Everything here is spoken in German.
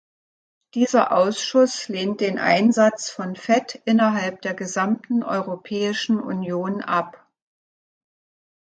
Dieser Ausschuss lehnt den Einsatz von Fett innerhalb der gesamten Europäischen Union ab.